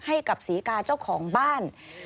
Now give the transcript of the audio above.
ให้กับศรีกาเจ้าของบ้าน